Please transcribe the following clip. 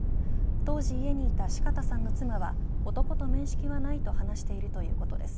当時、家にいた四方さんの妻は男と面識はないと話しているということです。